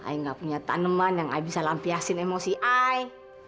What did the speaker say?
i gak punya taneman yang i bisa lampiasin emosi i